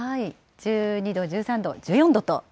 １２度、１３度、１４度と。